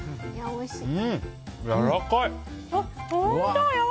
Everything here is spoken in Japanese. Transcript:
おいしい！